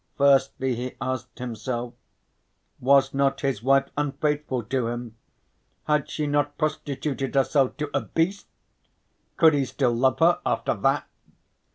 Firstly he asked himself: Was not his wife unfaithful to him, had she not prostituted herself to a beast? Could he still love her after that?